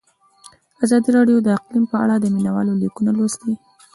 ازادي راډیو د اقلیم په اړه د مینه والو لیکونه لوستي.